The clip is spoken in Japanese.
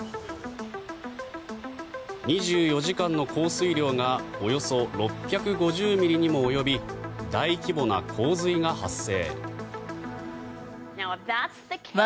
２４時間の降水量がおよそ６５０ミリにも及び大規模な洪水が発生。